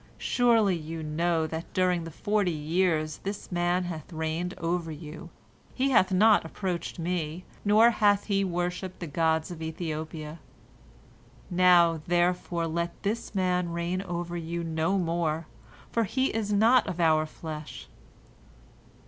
Surely you know that during the forty years this man bath reigned over you, he hath not approached me, nor hath he worshipped the gods of Ethiopia. Now, therefore, let this man reign over you no more, for he is not of our flesh.